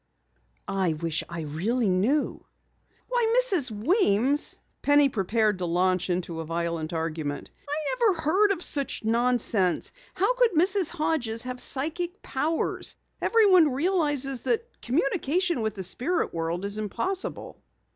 "I wish I really knew." "Why, Mrs. Weems!" Penny prepared to launch into a violent argument. "I never heard of such nonsense! How could Mrs. Hodges have psychic powers? Everyone realizes that communication with the spirit world is impossible!"